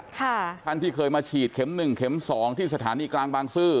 ท่านที่เคยมาฉีดเข็ม๑เข็ม๒ที่สถานีกลางบังสือ